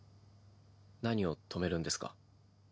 何を止めるんですか？